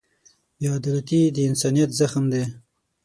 بېعدالتي د انسانیت زخم دی.